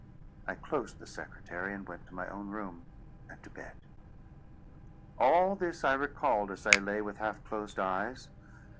I closed the secretary, and went to my own room, and to bed. All this I recalled as I lay with half closed eyes.